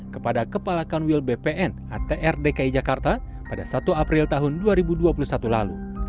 kepada kepala kanwil bpn atr dki jakarta pada satu april tahun dua ribu dua puluh satu lalu